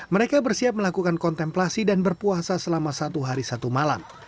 mereka bersiap melakukan kontemplasi dan berpuasa selama satu hari satu malam